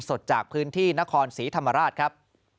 สดจากพื้นที่นครศรีธรรมราชครับ